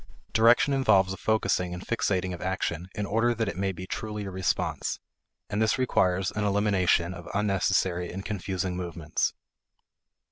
Direction involves a focusing and fixating of action in order that it may be truly a response, and this requires an elimination of unnecessary and confusing movements.